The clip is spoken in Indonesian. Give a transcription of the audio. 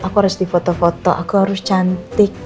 aku harus di foto foto aku harus cantik